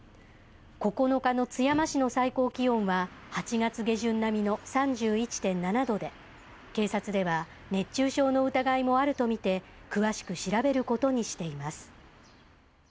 ９日の津山市の最高気温は８月下旬並みの３１．７度で、警察では熱中症の疑いもあるとみて詳しく調べることにしています。